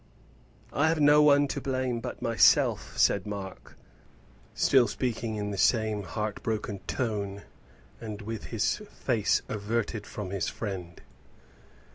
"I have no one to blame but myself," said Mark, still speaking in the same heart broken tone and with his face averted from his friend.